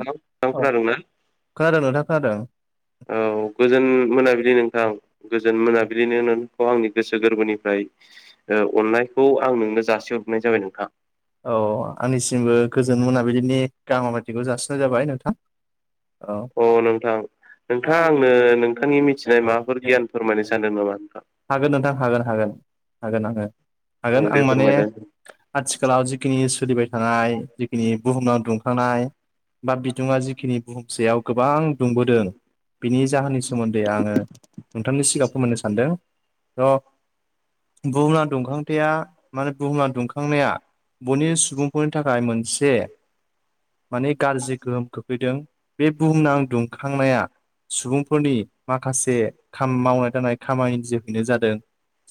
Hello औ नोंथां खोनादों ना खोनादों नोंथा खोनादों औ गोजोन मोनाबिलि नोंथां गोजोन मोनाबिलि नों खौ आंनि गोसो गोरबोनिफ्राय अननायखौ आं नोंनो जासिहरनाय जाबाय नोंथां औ आंनिसिमबो गोजोन मोनाबिलिनि गाहाम हामब्लाथिखौ जासिनाय जाबाय नोंथां औ अ नोंथां नोंथांङा आंनो नोंथांनि मिथिनाय माबाफोर गियान फोरमायनो सानदों नामा नोंथां हागोन नोंथां हागोन हागोन हागोन आङो हागोन औ दे आं माने फोरमायलाय आथिखालाव जिखिनि सोलिबाय थानाय जिखिनि बुहुमाव दुंखांनाय बा बिदुङा जिखिनि बुहुमनि सायाव गोबां दुंबोदों बिनि जाहोननि सोमोन्दै आङो नोंथांनि सिगां फोरमायनो सानदों र' बुहुमना दुंखांथाया माने बुहुमना दुंखांनाया बुहुमनि सुबुंफोरनि थाखाय मोनसे माने गाज्रि गोहोम खोखैदों बे बुहुमनां दुंखांनाया सुबुंफोरनि माखासे मावनाय दांनाय खामानि जोहैनो जादों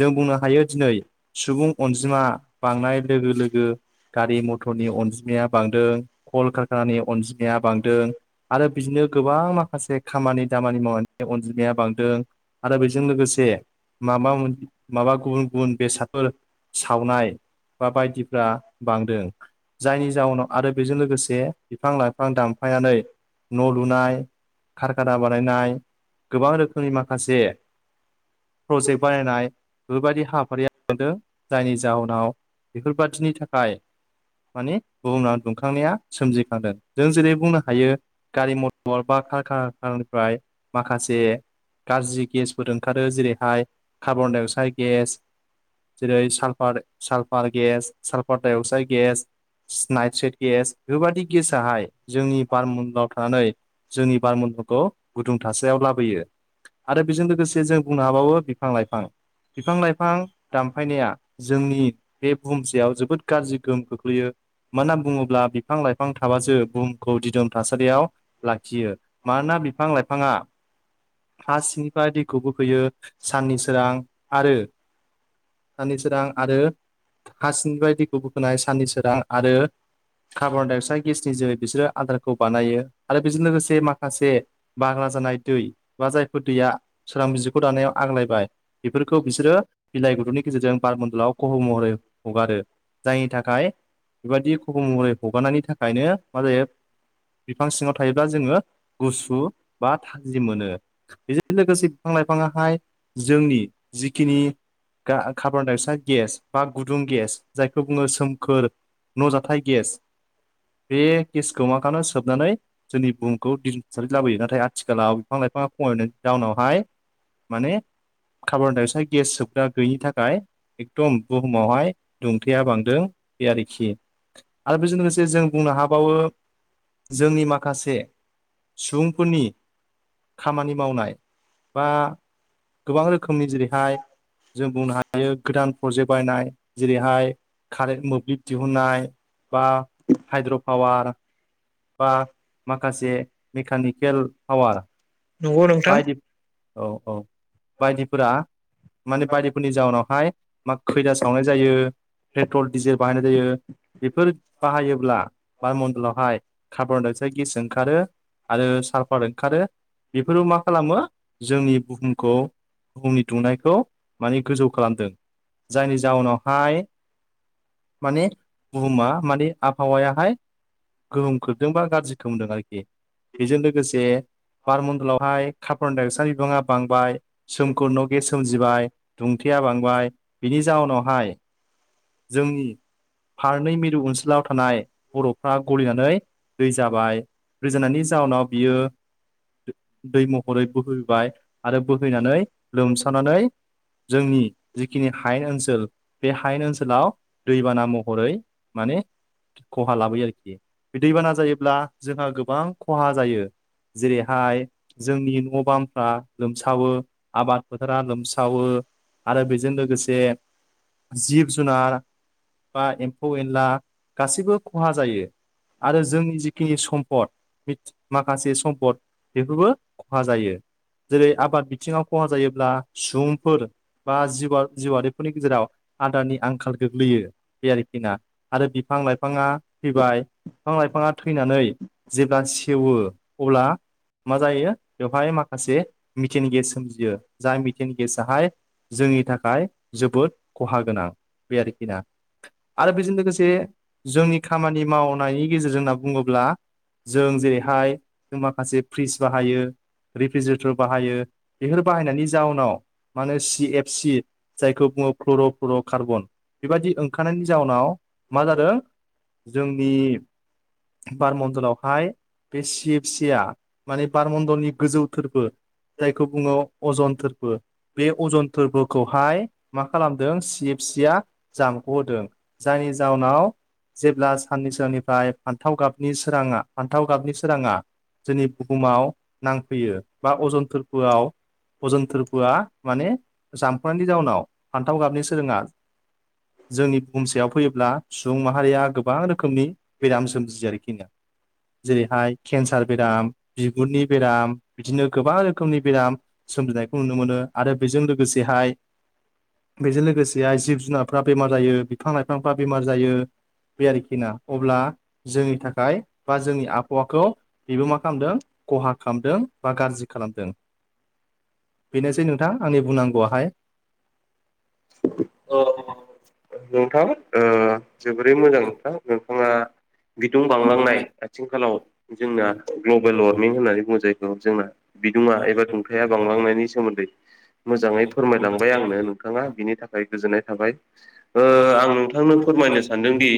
जों बुंनो हायो दिनै सुबुं अनजिमा बांनाय लोगो लोगो गारि मटरनि अनजिमाया बांदों कल कारखानानि अनजिमाया बांदों आरो बिदिनो गोबां माखासे खामानि दामानि मावनायनि अनजिमाया बांदों आरो बेजों लोगोसे माबा मोन माबा गुबुन गुबुन बेसादफोर सावनाय बा बायदिफ्रा बांदों जायनि जाउनाव आरो बेजों लोगोसे बिफां लाइफां दानफायनानै न' लुनाय खारखाना बानायनाय गोबां रोखोमनि माखासे प्रजेक्ट बानायनाय बेफोरबायदि हाबाफारिया मोनदों जायनि जाहोनाव बेफोरबादिनि थाखाय मानि बुहुमाव दुंखांनाया सोमजिखांदों जों जेरै बुंनो हायो गारि मटर बा कारकानानिफ्राय माखासे गाज्रि गेसफोर ओंखारो जेरैहाय कार्बनडाइ अक्साइद गेस जेरै sulphur sulphur gas sulphur dioxide gas nitrate gas बेफोरबादि गेसाहाय जोंनि बारमनडलाव थानानै जोंनि बारमन्दलखौ गुदुं थासारियाव लाबोयो आरो बेजों लोगोसे जों बुंनो हाबावो बिफां लाइफां बिफां लाइफां दानफायनाया जोंनि बे बुहुमसेयाव जोबोद गाज्रि गोहोम खोख्लैयो मानो होनना बुङोब्ला बिफां लाइफां थाबासो बुहुमखौ दिदोम थासारियाव लाखियो मानोना बिफां लाइफाङा हा सिंनिफ्राय दैखौ बोखोयो साननि सोरां आरो साननि सोरां आरो हासिंनिफ्राय दैखौ बोखोनाय साननि सोरां आरो कार्बनडाइ अक्साइड गेसनि जोहै बिसोरो आदारखौ बानायो आरो बेजों लोगोसे माखासे बाग्ला जानाय दै बा जायफोर दैया सोरां बिजिखौ दानायाव आग्लायबाय बेफोरखौ बिसोरो बिलाइ गुदुंनि गेजेरजों बारमन्दलाव खह' महरै हगारो जायनि थाखाय बेबायदि खफ' महरै हगारनायनि थाखायनो मा जायो बिफां सिङाव थायोबा जोङो गुसु बा थाजिम मोनो। बेजों लोगोसे बिफां लाइफाङाहाय जोंनि जिखिनि गा कार्बन डाइ अक्साइड गेस बा गुदुं गेस जायखौ बुङो सोमखोर न' जाथाइ गेस बे गेसखौ मा खालामनो सोबनानै जोंनि बुहुमखौ दिदोम लाबोयो नाथाय आ आथिखालाव बिफां लाइफाङा खमायनायनि जाउनावहाय माने कार्बनडाइ अक्साइद गेस सोबग्रा गैयिनि थाखाय एकदम बुहुमावहाय दुंथाया बांदों बे आरोखि आरो बेजों लोगोसे जों बुंनो हाबावो जोंनि माखासे सुबुंफोरनि खामानि मावनाय बा गोबां रोखोमनि जेरैहाय जों बुंनो हायो गोदान प्रजेक्ट बायनाय जेरैहाय कारेन्ट मोब्लिब दिहुननाय बा हाइद्र' पावार बा माखासे मेकानिकेल पावार नंगौ नोंथां बायदि औ औ बायदिफोरा माने बायदिफोरनि जाउनावहाय मा खैला सावनाय जायो। पेट्रल डिजेल बाहायनाय जायो बेफोर बाहायोब्ला बामन्दलावहाय कारबन दाय गेस ओंखारो आरो सालफार ओंखारो बेफोरबो मा खालामो जोंनि बुहुमखौ बुहुमनि दुंनायखौ माने गोजौ खालामदों जायनि जाउनावहाय माने बुहुमा माने आबहावायाहाय गोहोम खोबदोंबा गाज्रि खोमदों आरोखि बेजों लोगोसे बारमन्दलावहाय कपन दस बिबाङा बांबाय सोमख न' गेस सोम सोमजिबाय दुंथाया बांबाय बिनि जाउनावहाय जोंनि फारनै मिरु ओनसोलाव थानाय बर'फ्रा गलिनानै दै जाब हाय रज'नायनि जाउनाव बियो दै महरै बोहैबाय आरो बोहैनानै लोमसावनानै जोंनि जिखिनि हायेन ओनसोल बे हायेन ओनसोलाव दैबाना महरै माने खहा लाबोयो आरोखि बे दैबाना जायोब्ला जोंहा गोबां खहा जायो जेरैहाय जोंनि न' बांफ्रा लोमसावो आबाद फोथारा लोमसावो आरो बेजों लोगोसे जिब जुनार बा एम्फौ एनला गासैबो खहा जायो। आरो जोंनि जि जिखिनि सम्पद माखासे सम्पद बेफोरबो खहा जायो जेरै आबाद बिथिङाव खहा जायोब्ला सुबुंफोर बा जिउ जिउआरिफोरनि गेजेराव आदारनि आंखाल गोग्लैयो बे आरोखि ना आरो बिफां लाइफाङा थैबाय बिफां लाइफाङा थैनानै जेब्ला सेवो अब्ला मा जायो बेवहाय माखासे मिथेन गेस सोमजियो जाय मिथेन गेसाहाय जोंनि थाखाय जोबोद खहा गोनां बे आरोखिना आरो बेजों लोगोसे जोंनि खामानि मावनायनि गेजेरजों होनना बुङोब्ला जों जेरैहाय जों माखासे फ्रिज बाहायो रिफ्रिजिरेटर बाहायो बेफोर बाहायनायनि जााहनाव मा होनो सि एफ सि जायखौ बुङो क्लर' फ्लर' कार्बन बेबायदि ओंखारनायनि जाउनाव मा जादों जोंनि बारमणडलावहाय बे सिब सिया माने बारमण्डलनि गोजौ थोरफो जायखौ बुङो अजन थोरफो बे अजन थोरफोखौहाय मा खालामदों सिब सिया जामख' होदों जायनि जाउनाव जेब्ला साननि सोरांनिफ्राय फान्थाव गाबनि सोराङा फान्थाव गाबनि सोराङा जोंनि बुहुमाव नांफैयो बा अजन थोरफोआव अजन थोरफोआ माने जामख'नायनि जाउनाव फान्थाव गाबनि सोराङा जोंनि भुमसेयाव फैयोब्ला सुबुं माहारिया गोबां रोखोमनि बेराम सोमजियो आरोखि। जेरैहाय केन्सार बेराम बिगुरनि बेराम बिदिनो गोबां रोखोमनि बेराम सोमजिनायखौ नुनो मोनो आरो बेजों लोगोसेहाय [inaudible] बेजों लोगोसेाय जिब जुनारफ्रा बेमार जायो बिफां लाइफांफ्रा बेमार जायो। बे आरोखि ना अब्ला जोंनि थाखाय बा जोंनि आबहावाखौ बेबो मा खालामदों खहा खालामदों बा गाज्रि खालामदों। बेनोसै नोंथां आंनि बुंनांगौआहाय औ नोंथां ओ जोबोरै मोजां नोंथां नोंथाङा बिदुं बांलांनाय आथिंखालाव जोंना ग्लबेल वारमिं होननानै बुङो जायखौ जोंना बिदङा एबा दुंथाया बांलांनायनि सोमोन्दै मोजाङै फोरमायलांबाय आंनो नोंथाङा। बिनि थाखाय गोजोननाय थाबाय आं नोंथांनो फोरमायनो सानदोंदि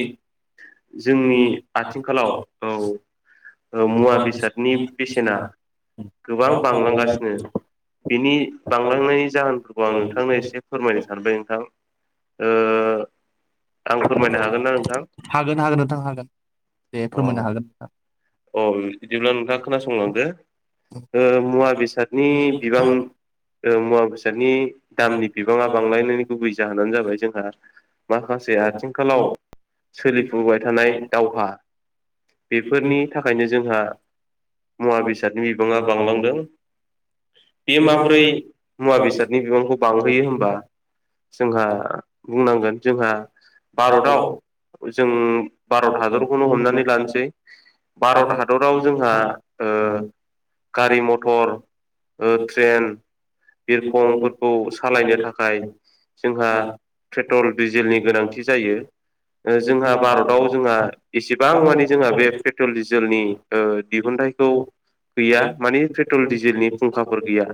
जोंनि आथिंखालाव औ मुवा बेसादनि बेसेना गोबां बांलांगासिनो। बिनि बांलांनायनि जाहोनफोरखौ आं नोंथांनो एसे फोरमायनो सानबाय नोंथां ओ आं फोरमायनो हागोन ना नोंथां हागोन हागोन नोंथां हागोन दे अ फोरमायनो हागोन नोंथां। अ बिदिब्ला नोंथाङा खोनासंलांदो। मुवा नोंथां। बेसादनि बिबां मुवा बेसादनि दामनि बिबाङा बांलायनायनि गुबै जाहोनानो जाबाय जोंहा माखासे आथिंखालाव सोलिफुबाय थानाय दावहा बेफोरनि थाखायनो जोंहा मुवा बेसादनि बिबाङा बांलांदों। बेयो माबोरै मुवा बेसादनि बिबांखौ बांहोयो होनबा जोंहा बुंनांगोन जोंहा भारतआव भारताव जों भारत हादरखौनो हमनानै लानोसै। भारत हादराव जोंहा ओ गारि मथर ओ ट्रेन बिरखं बिरखंफोरखौ सालायनो थाखाय जोंहा पेट्रल डिजेलनि पेट्रलनि गोनांथि जायो। जोंहा भारताव जोंहा एसेबां माने जोंहा बे पेट्रल डिजेलनि ओ दिहुनथाइनि गैया गैया मानिे पेट्रल दिडिजेलनि फुंखाफोर गैया।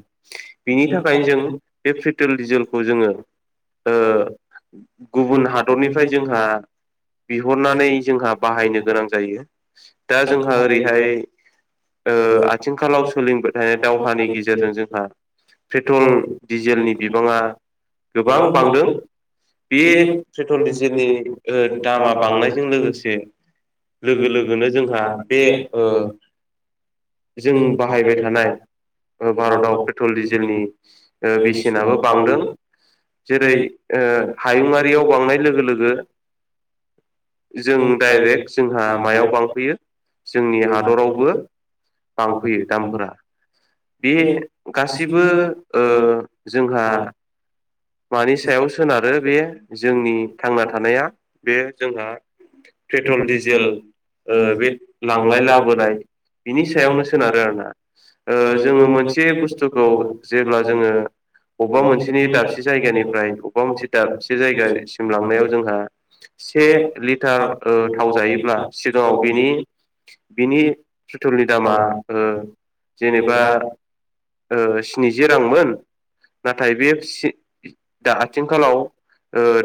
बिनि थाखायनो जों बे पेट्रल डिजेलखौ जोङो ओ औ गुबुन हादरनिफ्राय जोंहा बिहरनानै जोंहा बाहायनो गोनां जायो दा जोंहा ओरैहाय ओ आथिंखालाव सोलिोंबाय थानाय दावहानि गेजेरजों पेट्रल जोंहा पेट्रल जोंनि डिजेलनि बिबाङा गोबां बांदों बे पेट्रल डिजेलनि दामा बांनायजों लोगोसे लोगो लोगो लोगो जोंहा बे जों बाहायबाय थानाय भारताव पेट्रल डिजेलनि बेसेनाबो बांदों। जेरै ओ हायुङारियाव बांनाय लोगो लोगो जों डाइरेक्ट जोंहा मायाव बांफैयो जोंनि हादरावबो बांफैयो बांबोयो। दामफोरा। बे गासैबो ओ जोंहा मानि सायाव सोनारो बे जोंनि थांना थानाया बे जोंहा पेट्रल डिजेल बे लांलाय बांनाय लाबोनाय लाबोनायनि बिनि सायावनो सायाव सोनारो सोनारनानै आरोना। जोङो मोनसे बुस्थुखौ जेब्ला जोङो अबेबा मोनसेनि दाबसे जायगानिफ्राय बबेबा मोनसे दाबसे जायगासिम लांनायाव जोंहा से मोनसे लिटार थाव ओ थाव जायोब्ला थायोब्ला सिगाङाव बिनि बेनि बिनि बेनि पेट्रलनि दामा जेनेबा ओ स्निजि से रांमोन रांबो नाथाय बे स्नि दा आथिंखालाव उनाव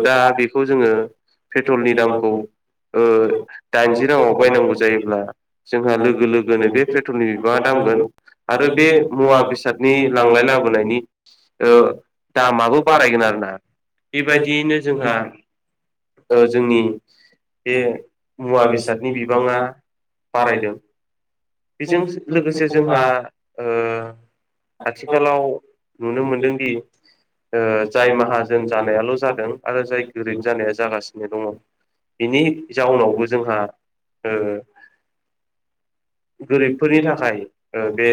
दा बेखौ जोङो पेट्रलनि दामखौ ओ दाइनजि राङाव बायनांगौ जायोब्ला जोंहा लोगो जोंबो लोगोनो बे पेट्रलनि दिनै बिबाङा बा दामगोन। नांगौ आरो बे मुवा बेसादनि लांलाय लाबोनायनि ओ दामाबो बारायगोन आरोोना बेबायदियैनो जोंहा ओ जोंनि बे मुवा बेसादनि बिबाङा बारायदों बेजों लोगोसे जोंहा ओ आथिखालाव नुनो मोनदोंदि जाय माहाजोन जानायाल' जानायखौ फानो जादों बे आरो जाय गोरिब जाउनावबो जानाया जागासिनो दङ बिनि जाउनावबो जोंहा ओ गोरिबफोरनि थाखाय ओ बे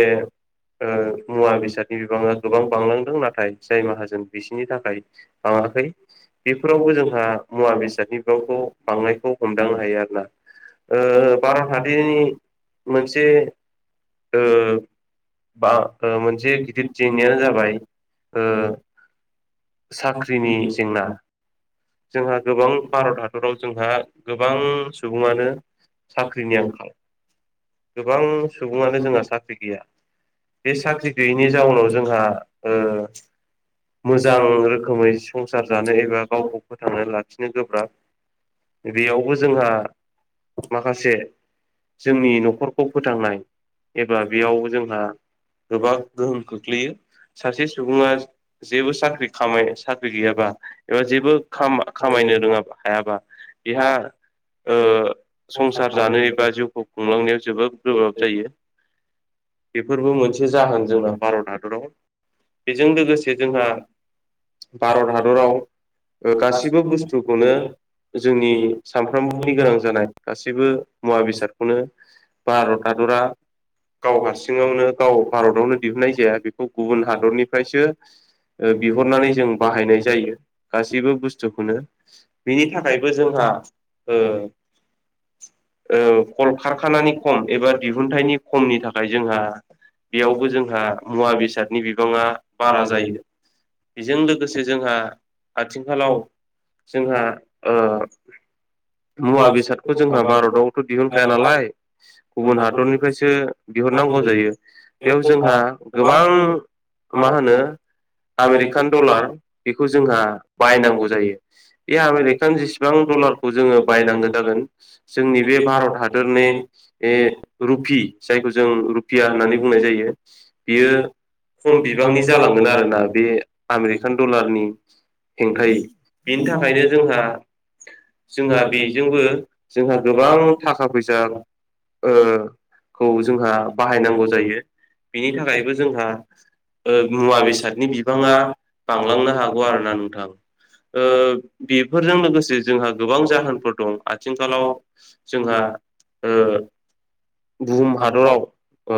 ओ मुवा बेसाद गोबां बेसादनि बेफोराव बिबाङा गोबां बांलांदों नाथाय जाय माहाजोन बिसिनि थाखाय बाङाखै बेफोरावबो जोंहा मुवा बेसादनि बिबांखौ बांनायखौ हमदांनो हायो आरो ब्ला‌ ओ भारत हादरनि मोनसे ओ बा ओ मोनसे गिदिर जेंनायानो जाबाय ओ साख्रिनि जेंना जोंहा गोबां भारत हादराव जोंहा गोबां बेयावबो सुबङानो साख्रिनि आंखाल गोबां सुबुङानो जोंहा साख्रि गैया बे साख्रि गैयैनि जाउनाव जोंहा ओ मोजां रोखोमै संसार जानो एबा गावखौ फोथांना लाखिनो गोब्राब बेयावबो जोंहा जोंनि माखासे जोंनि न'खरखौ फोथांनाय एबा बेयाव जोंहा गोबां गोहोम खोख्लैयो सासे सुबुङा जेबो साख्रि खाम साख्रि फोथांनाय गैयाबा एबा ओ जेबो खामा खामायनो रोङा हायाबा बेहा ओ संसार जानाय बा एबा जिउखौ बेयाव खुंलांनायाव जोबोद गोब्राब जायो। बेफोरबो मोनसे जाहोन जोंना भारत हादराव बेजों लोगोसे जोंहा गोबां भारत हादराव गासिबो बुस्थुखौनो जोंनि सामफ्रोमबो नि गोनां जानाय गासैबो मुवा बेसादखौनो भारत हादरा गाव हारसिङावनो गाव भारतावनो दिहुननाय जाया बेखौ गुबुन हादरनि सो ओ बिहरनानै जों बाहायनाय जायो गासैबो बुस्थुखौनो बेनि बिनि थाखायबो जोंहा ओ ओ कल खारखानानि खम एबा दिहुनथाइनि खमनि थाखाय जोंहा बेयावबो जोंहा मुवा बेसादनि बिबाङा बारा जायो। बेजों लोगोसे जोंहा आथिंखालाव आथिखालाव जोंहा ओ मुवा बेसादखौ जोंहा भारतआवथ' दिहुनखाया नालाय गुबुन हादरनिफ्रायसो बिहरनांगौ जायो बेयाव जोंहा गोबां मा होनो आमेरिकान डलार बेखौ जोंहा बायनांगौ जायो। बे आमेरिकान जेसेबां डलारखौ जोङो बायनांगौ जागोन जोंनि बे भारत हादोरनि ए रुफि जायखौ जों रुफिया होननानै बुंनाय जायो बियो खम बिबांनि जालांगोन आरोना बे आमेरिकान डलारनि हेंथायै बिनि थाखायनो जोंहा जोंहा बेजोंबो जोंहा गोबां थाखा फैसा खौ जोंहा बाहायनांगौ जायो बिनि बेनि थाखायबो थाखायनो जोंहा मुवा बेसादनि बिबाङा बांलांनो हागौ आरो ना नोंथां ओ बेफोरजों लोगोसे जोंहा गोबां जाहोनफोर दं आथिंखालाव जोंहा जों बुहुम भारत हादराव ओ